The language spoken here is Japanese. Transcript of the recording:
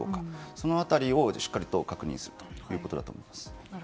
その辺りをしっかりと確認するということだと思います。